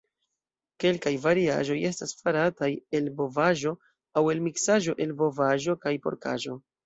Kelkaj variaĵoj estas farataj el bovaĵo aŭ el miksaĵo el bovaĵo kaj porkaĵo.